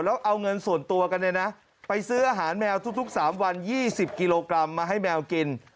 แล้วเอาเงินส่วนตัวกันเนี่ยนะไปซื้ออาหารแมวทุก๓วัน๒๐กิโลกรัมมาให้แมวกิน